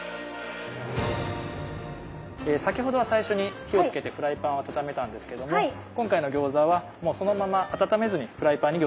先ほどは最初に火をつけてフライパンを温めたんですけども今回の餃子はもうそのまま温めずにフライパンに餃子を並べます。